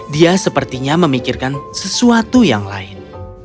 dia sepertinya memikirkan sesuatu yang lain